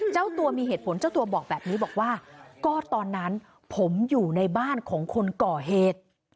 เจ้าตัวมีเหตุผลเจ้าตัวบอกแบบนี้บอกว่าก็ตอนนั้นผมอยู่ในบ้านของคนก่อเหตุ